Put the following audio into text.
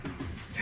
え。